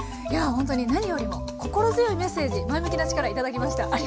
いやほんとに何よりも心強いメッセージ前向きな力頂きました。